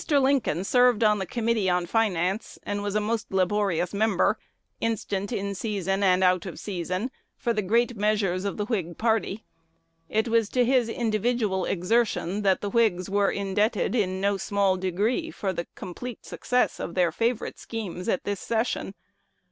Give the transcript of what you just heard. Lincoln served on the Committee on Finance, and was a most laborious member, instant in season and out of season, for the great measures of the Whig party. It was to his individual exertion that the Whigs were indebted in no small degree for the complete success of their favorite schemes at this session.